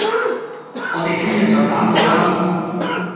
我哋聽日再打過啦